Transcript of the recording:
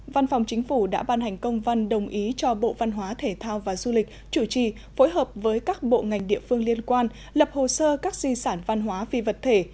văn phòng chính phủ đã ban hành công văn đồng ý cho bộ văn hóa thể thao và du lịch chủ trì phối hợp với các bộ ngành địa phương liên quan lập hồ sơ các di sản văn hóa phi vật thể